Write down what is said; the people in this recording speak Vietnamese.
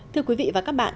thưa quý vị và các bạn